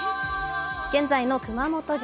現在の熊本城。